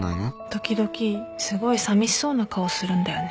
時々すごいさみしそうな顔するんだよね。